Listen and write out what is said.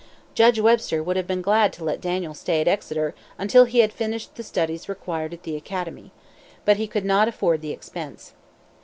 Judge Webster would have been glad to let Daniel stay at Exeter until he had finished the studies required at the academy. But he could not afford the expense.